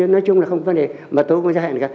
nói chung là không có vấn đề mà tôi cũng giao hạn cả